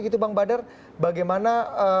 gitu bang badar bagaimana